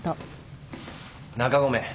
中込。